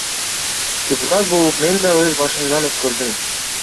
Депутат болуп мен дагы өз башымдан өткөрдүм.